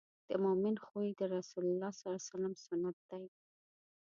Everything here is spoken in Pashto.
د مؤمن خوی د رسول الله سنت دی.